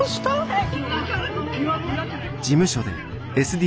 はい。